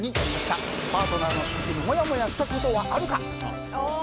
パートナーの出費にモヤモヤしたことはあるか。